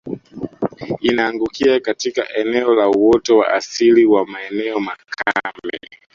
Inaangukia katika eneo la uoto wa asili wa maeneo makame